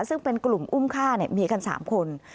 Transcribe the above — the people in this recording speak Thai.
ซึ่งเป็นกลุ่มอุ้มฆ่ามีกัน๓คน